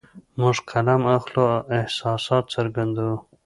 موږ قلم اخلو او احساسات څرګندوو